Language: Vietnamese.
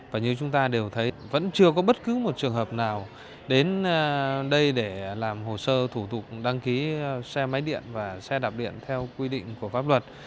và như chúng ta đều thấy vẫn chưa có bất cứ một trường hợp nào đến đây để làm hồ sơ thủ tục đăng ký xe máy điện và xe đạp điện theo quy định của pháp luật